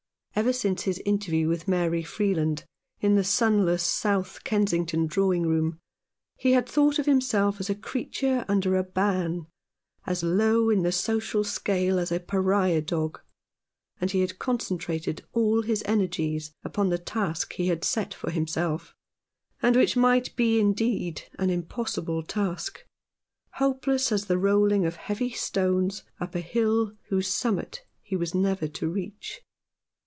Ever since his inter view with Mary Freeland, in the sunless South Kensington drawing room, he had thought of himself as a creature under a ban, as low in the social scale as a pariah dog ; and he had con centrated all his energies upon the task he had set for himself, and which might be indeed an impossible task — hopeless as the rolling of heavy stones up a hill whose summit he was never to reach.